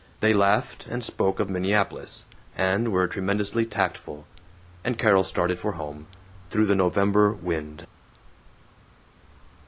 They laughed, and spoke of Minneapolis, and were tremendously tactful; and Carol started for home, through the November wind.